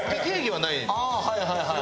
はいはいはいはい。